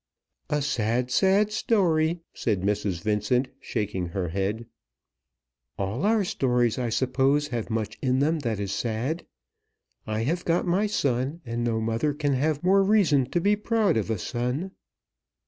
"A sad, sad story," said Mrs. Vincent, shaking her head. "All our stories I suppose have much in them that is sad. I have got my son, and no mother can have more reason to be proud of a son."